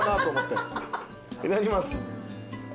いただきます。